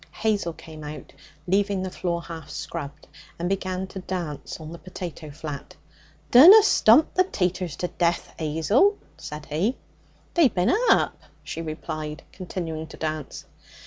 Hazel came out, leaving the floor half scrubbed, and began to dance on the potato flat. 'Dunna stomp the taters to jeath, 'Azel!' said he. 'They binna up!' she replied, continuing to dance.